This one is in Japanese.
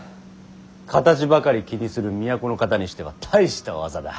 形ばかり気にする都の方にしては大した技だ。